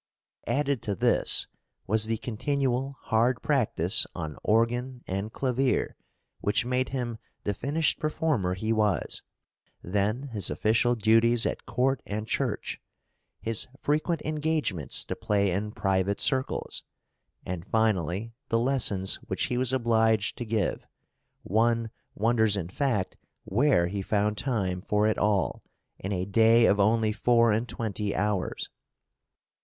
Added to this was the continual hard practice on organ and clavier which made him the finished performer he was, then his official duties at court and church, his frequent engagements to play in private circles, and finally the lessons which he was obliged to give one wonders in fact where he found time for it all in a day of only four and twenty hours.